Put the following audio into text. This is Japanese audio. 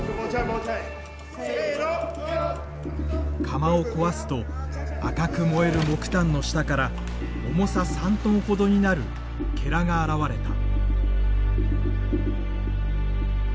釜を壊すと赤く燃える木炭の下から重さ３トンほどになるが現れた。